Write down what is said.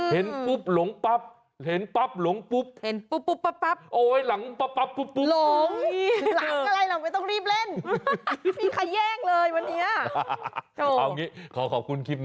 เห็นปุ๊บหลงปั๊บเห็นปั๊บหลงปุ๊บ